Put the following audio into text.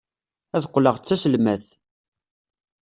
Ad qqleɣ d taselmadt.